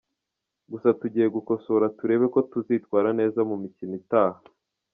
Gusa tugiye gukosora turebe ko tuzitwara neza mu mikino itaha”.